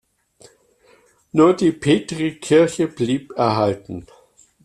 Nur die Petrikirche blieb erhalten.